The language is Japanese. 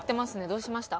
どうしました？